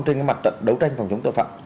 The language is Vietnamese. trên mặt trận đấu tranh phòng chống tội phạm